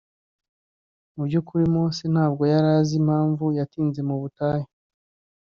Mu by’ukuri Mose ntabwo yari azi impamvu yatinze mu butayu